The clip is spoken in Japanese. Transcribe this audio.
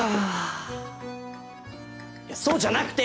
いやそうじゃなくて！